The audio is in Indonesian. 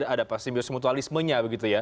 ada simbiosi mutualismenya